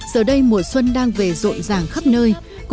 giờ đây mùa xuân đang về rộn ràng khắp nơi